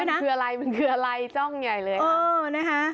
มันคืออะไรมันคืออะไรจ้องใหญ่เลยนะคะ